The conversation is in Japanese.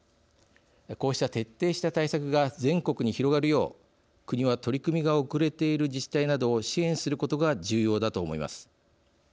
こうした徹底した対策が全国に広がるよう国は取り組みが遅れている自治体などを支援することが重要だと思います。